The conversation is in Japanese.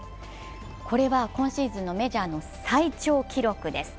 これは今シーズンメジャーの最長記録です。